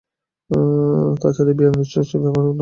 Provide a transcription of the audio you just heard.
তা ছাড়া ব্যায়ামের উৎকর্ষে বাপের নাম রাখতে পারবে এমন লক্ষণ প্রবল।